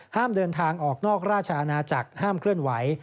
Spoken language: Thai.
ห้ามเดินทางออกนอกราชอาณาจักรห้ามเคลื่อนไหว